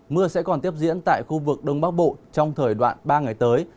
mưa sẽ còn tiếp diễn tại khu vực đông bắc bộ trong thời đoạn ba ngày tới